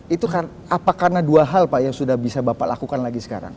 itu apa karena dua hal pak yang sudah bisa bapak lakukan lagi sekarang